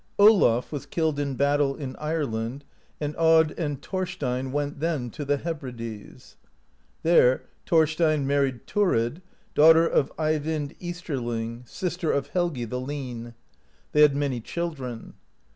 Olaf was killed in battle in Ireland, and Aud (10) and Thorstein went then to the Hebrides (11) ; there Thorstein married Thurid, daughter of Eyvind Easter ling, sister of Helgi the Lean; they had many children.